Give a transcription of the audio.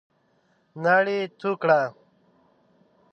ناړي تو کړه !